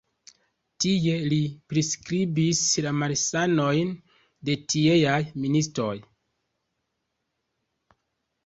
Tie li priskribis la malsanojn de tieaj ministoj.